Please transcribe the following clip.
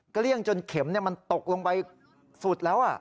เกลี้ยงจนเข็มมันตกลงไปสุดแล้ว